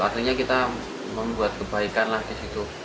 artinya kita membuat kebaikan lah di situ